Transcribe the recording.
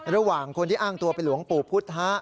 ระหว่างคนที่อ้างตัวเป็นหลวงปู่พุทธะ